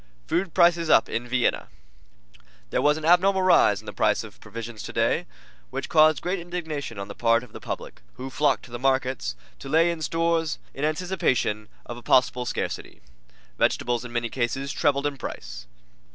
Food Prices Up in Vienna There was an abnormal rise in the price of provisions today, which caused great indignation on the part of the public, who flocked to the markets to lay in stores in anticipation of a possible scarcity. Vegetables in many cases trebled in price.